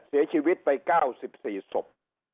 เสียชีวิตไป๙๔ศพ